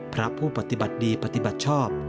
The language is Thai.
พระผู้ปฏิบัติดีปฏิบัติชอบ